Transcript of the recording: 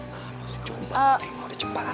masih cuma aku tengok udah cepat